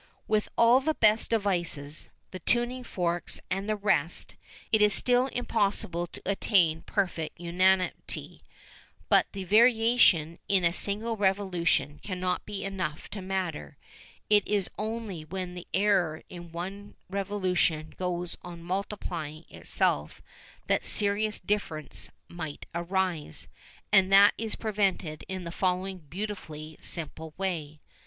With all the best devices, the tuning forks and the rest, it is still impossible to attain perfect unanimity, but the variation in a single revolution cannot be enough to matter; it is only when the error in one revolution goes on multiplying itself that serious difference might arise, and that is prevented in the following beautifully simple way.